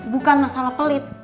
bukan masalah pelit